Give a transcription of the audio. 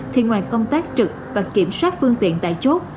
thì ngoài công tác trực và kiểm soát phương tiện tại chốt